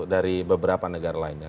dari beberapa negara lainnya